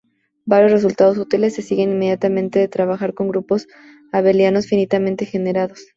Varios resultados útiles se siguen inmediatamente de trabajar con grupos abelianos finitamente generados.